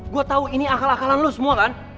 gue tahu ini akal akalan lo semua kan